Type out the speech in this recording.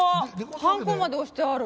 はんこまで押してある。